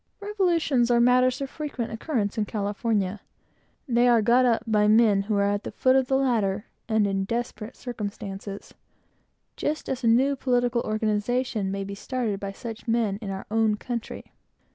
Revolutions are matters of constant occurrence in California. They are got up by men who are at the foot of the ladder and in desperate circumstances, just as a new political party is started by such men in our own country.